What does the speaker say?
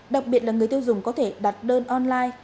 đặc biệt là người tiêu dùng có thể đặt đơn online